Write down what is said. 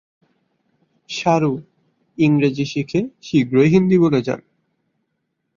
সারু, ইংরেজি শিখে শীঘ্রই হিন্দি ভুলে যান।